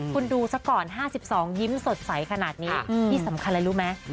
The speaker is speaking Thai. คุณดูซะก่อน๕๒ยิ้มสดใสขนาดนี้ที่สำคัญอะไรรู้ไหม